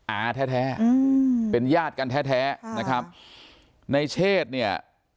อาแท้แท้เป็นญาติกันแท้แท้นะครับในเชศเนี่ย